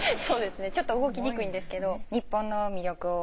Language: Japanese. そうですねちょっと動きにくいんですけど。